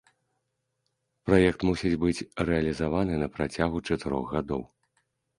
Праект мусіць быць рэалізаваны на працягу чатырох гадоў.